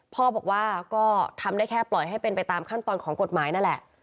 พ่อบอกว่าก็ทำได้แค่ปล่อยให้เป็นไปตามขั้นตอนของกฎหมายนั่นแหละ